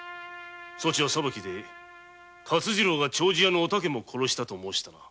そちは裁きで勝次郎が「お竹」も殺したと申したな。